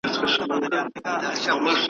یا غازیان یا شهیدان یو په دې دوه نومه نازیږو `